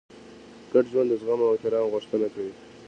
ګډ ژوند د زغم او احترام غوښتنه کوي.